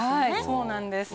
そうなんです。